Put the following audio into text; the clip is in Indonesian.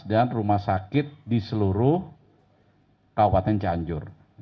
dan rumah sakit di seluruh kabupaten cianjur